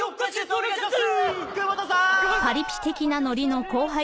お願いします。